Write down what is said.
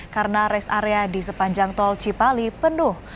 karena res area di sepanjang tol cipali penuh